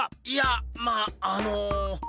いやまあの。